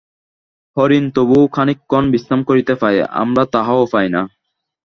হরিণ তবুও খানিকক্ষণ বিশ্রাম করিতে পায়, আমরা তাহাও পাই না।